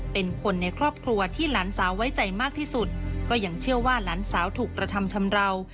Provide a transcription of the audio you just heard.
เป็นคนในครอบครัวที่หลานสาวไว้ใจมากที่สุดก็ยังเชื่อว่าหลานสาวถูกกระทำชำราว